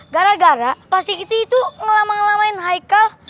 gara gara pak sikiti itu ngelamang ngelamain haikal